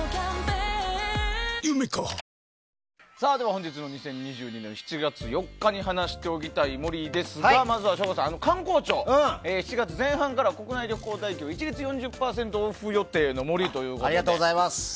本日の２０２２年７月４日に話しておきたい森ですがまずは省吾さん、観光庁が７月前半から国内旅行代金を一律４０％オフ予定の森ということで。